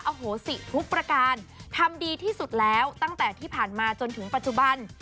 โหสิทุกประการทำดีที่สุดแล้วตั้งแต่ที่ผ่านมาจนถึงปัจจุบัน